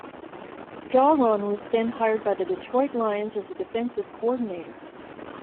Jauron was then hired by the Detroit Lions as a defensive coordinator.